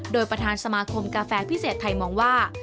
โดยประธานสมาคมกาแฟพิเศษไทยมองว่า